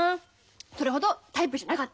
それほどタイプじゃなかった。